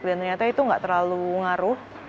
dan ternyata itu nggak terlalu ngaruh